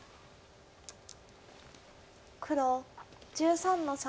黒１３の三ノビ。